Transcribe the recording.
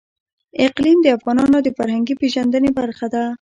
اقلیم د افغانانو د فرهنګي پیژندنې برخه ده.